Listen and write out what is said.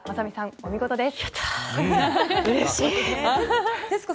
お見事です。